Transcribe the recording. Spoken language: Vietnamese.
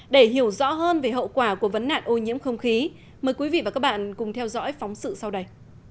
để hiểu rõ hơn về hậu quả của vấn nạn ô nhiễm không khí mời quý vị và các bạn cùng theo dõi phóng sự sau đây